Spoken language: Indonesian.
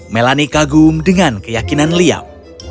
melani kagum dengan keyakinan liam